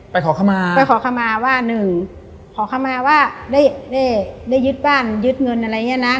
ขอขมาไปขอคำมาว่าหนึ่งขอเข้ามาว่าได้ได้ยึดบ้านยึดเงินอะไรอย่างเงี้ยนะ